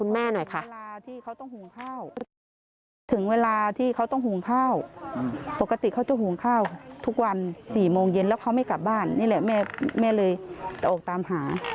แม่เห็นแล้วเขาไม่กลับบ้านนี่แหละแม่เลยตะโอกตามหา